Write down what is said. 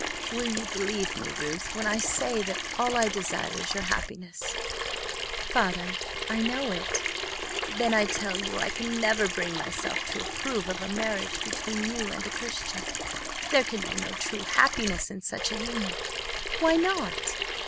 "Will you believe me, Ruth, when I say that all I desire is your happiness?" "Father, I know it." "Then I tell you I can never bring myself to approve of a marriage between you and a Christian. There can be no true happiness in such a union." "Why not?